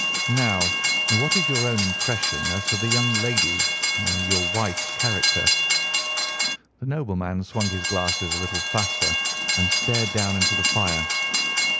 "Now, what is your own impression as to the young lady's—your wife's character?" The nobleman swung his glasses a little faster and stared down into the fire.